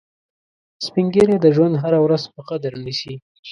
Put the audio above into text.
سپین ږیری د ژوند هره ورځ په قدر نیسي